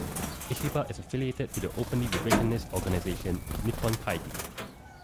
Ishiba is affiliated to the openly revisionist organization Nippon Kaigi.